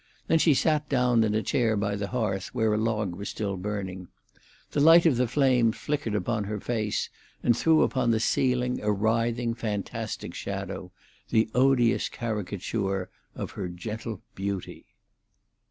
Then she sat down in a chair by the hearth, where a log was still burning. The light of the flame flickered upon her face, and threw upon the ceiling a writhing, fantastic shadow, the odious caricature of her gentle beauty.